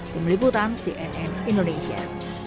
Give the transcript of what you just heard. dari meliputan cnn indonesia